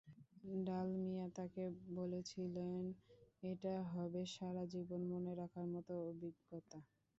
ডালমিয়া তাঁকে বলেছিলেন, এটা হবে সারা জীবন মনে রাখার মতো অভিজ্ঞতা।